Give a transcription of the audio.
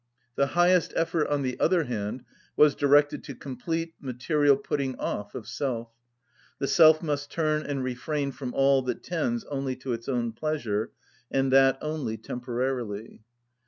The highest effort, on the other hand, was directed to complete, material putting off of self. The self must turn and refrain from all that tends only to its own pleasure, and that only temporarily."